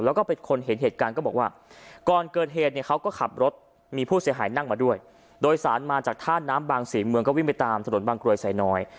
แล้วก็เป็นคนเห็นเหตุการณ์ก็บอกว่าก่อนเกิดเหตุเนี่ยเขาก็ขับรถมีผู้เสียหายนั่งมาด้วยโดยสารมาจากท่าน้ำบางศรีเมืองก็วิ่งไปตามถนนบางกรวยไซน้อย